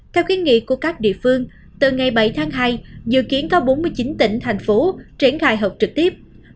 theo khuyến nghị của các địa phương từ ngày bảy tháng hai dự kiến có bốn mươi chín tỉnh thành phố triển khai học trực tiếp